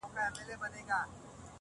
ما به شپېلۍ ږغول؛